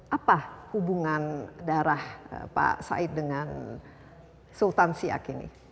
apa hubungan darah pak said dengan sultan siak ini